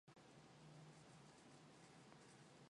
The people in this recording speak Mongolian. Энэ нь маш хурдан цөхрөл гутралаар солигдлоо.